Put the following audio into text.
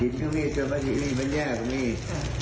หลวงปู่ท่านจะบอกว่ายังไงเนี่ยเดี๋ยวท่านลองฟังดูนะฮะ